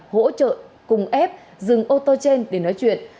hỗ trợ cùng ép dừng ô tô trên để nói chuyện